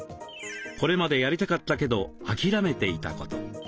これまでやりたかったけどあきらめていたこと。